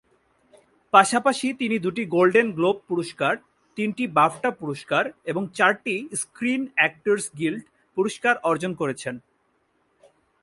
পাশাপাশি তিনি দুটি গোল্ডেন গ্লোব পুরস্কার, তিনটি বাফটা পুরস্কার, এবং চারটি স্ক্রিন অ্যাক্টরস গিল্ড পুরস্কার অর্জন করেছেন।